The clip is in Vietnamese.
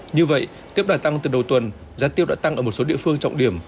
như vậy tiếp đà tăng từ đầu tuần giá tiêu đã tăng ở một số địa phương trọng điểm